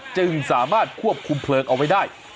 จึงสามารถควบคุมเพลิงเอาไว้ได้